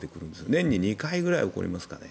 年に２回ぐらい起こりますかね。